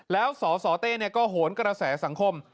แล้วสสเต้ก็โหนกระแสสังคม